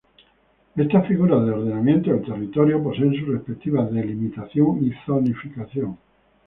Estas figuras de ordenamiento del territorio poseen su respectiva delimitación y zonificación.